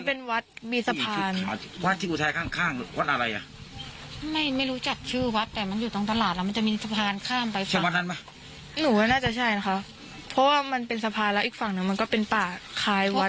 เป็นสภาและอีกฝั่งนั้นมันก็เป็นป่าคลายวัด